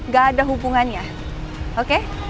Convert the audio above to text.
gak ada hubungannya oke